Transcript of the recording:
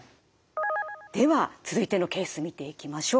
では続いてのケース見ていきましょう。